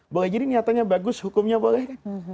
boleh jadi niatannya bagus hukumnya boleh kan